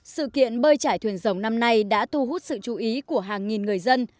sự kiện bơi trải thuyền rồng năm nay đã thu hút sự chú ý của hàng nghìn người dân